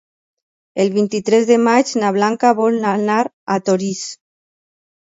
El vint-i-tres de maig na Blanca vol anar a Torís.